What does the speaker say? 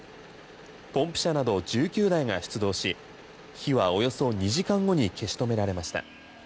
ポンプ車など１９台が出動し火はおよそ２時間後に消し止められました。